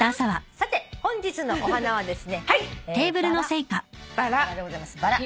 さて本日のお花はですねバラ。